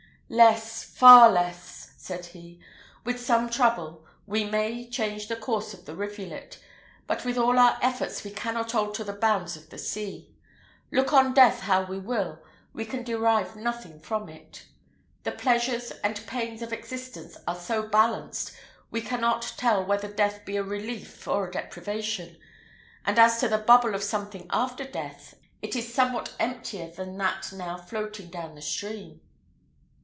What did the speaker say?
"Less, far less!" said he: "with some trouble, we may change the course of the rivulet, but with all our efforts we cannot alter the bounds of the sea. Look on death how we will, we can derive nothing from it. The pleasures and pains of existence are so balanced, we cannot tell whether death be a relief or a deprivation; and as to the bubble of something after death, it is somewhat emptier than that now floating down the stream."